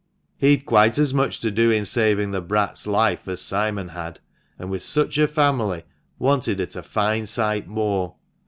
He'd quite as much to do in saving the brat's life as Simon had, and, with such a family, wanted it a fine sight more.